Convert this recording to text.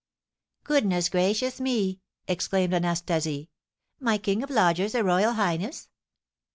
"Goodness gracious me!" exclaimed Anastasie. "My king of lodgers a royal highness!